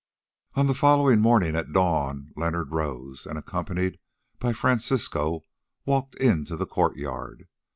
On the following morning at dawn Leonard rose and, accompanied by Francisco, walked into the courtyard.